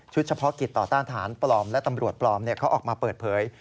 เฉพาะกิจต่อต้านทหารปลอมและตำรวจปลอมเขาออกมาเปิดเผย